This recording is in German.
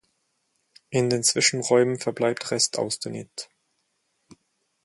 In den Zwischenräumen verbleibt Restaustenit.